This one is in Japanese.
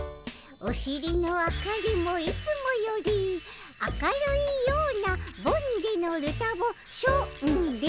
おしりの明かりもいつもより明るいようなボんでのルタボしょんで！